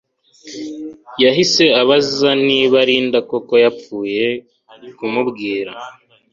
yahise abaza niba Linda koko yapfuye bamubwira